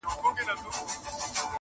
له امیده یې د زړه خونه خالي سوه-